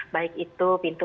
baik itu pintu